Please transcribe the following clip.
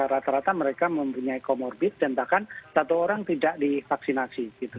rata rata mereka mempunyai comorbid dan bahkan satu orang tidak divaksinasi